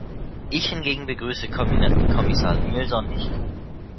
Ich hingegen begrüße Kommissar Nielson nicht.